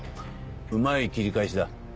うまい切り返しだ。